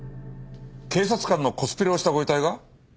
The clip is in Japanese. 警察官のコスプレをしたご遺体が？